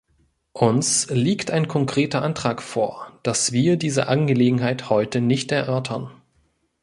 Uns liegt ein konkreter Antrag vor, dass wir diese Angelegenheit heute nicht erörtern.